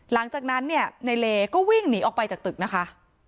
หลังจากนั้นเนี่ยในเลก็วิ่งหนีออกไปจากตึกนะคะ